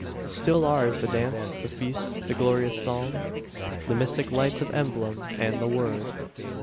Still ours the dance, the feast, the glorious Psalm, The mystic lights of emblem, and the Word.